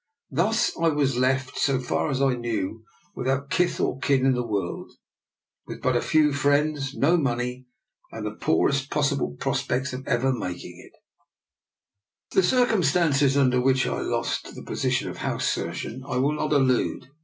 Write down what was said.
Thus I was left, so far as I knew, without kith or kin in the world, with but few friends, no money, and the poorest possible prospects of ever making it. To the circumstances under which I lost the position of House Surgeon I will not al lude.